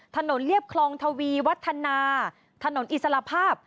เรียบคลองทวีวัฒนาถนนอิสระภาพ